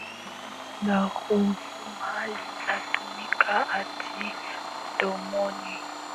akini jina la Ruvuma linatumika hadi mdomoni